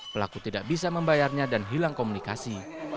pelaku tidak bisa membayarnya dan hilang komunikasi